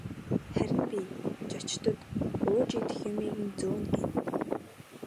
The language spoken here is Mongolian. Харин би зочдод ууж идэх юмыг нь зөөнө гэнэ.